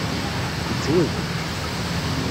Yettweg!